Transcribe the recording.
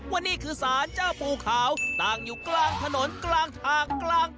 ว่านี่คือสารเจ้าปู่ขาวตั้งอยู่กลางถนนกลางทางกลาง